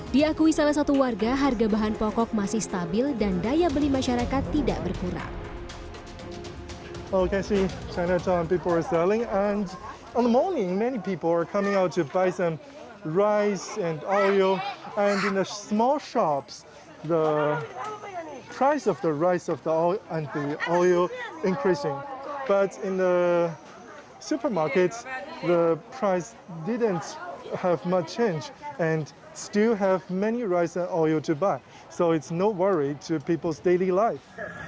diakui salah satu warga harga bahan pokok masih stabil dan daya beli masyarakat tidak berkurang